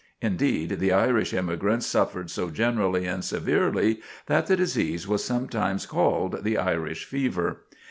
Indeed, the Irish immigrants suffered so generally and severely that the disease was sometimes called the "Irish Fever."